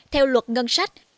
theo luật ngân sách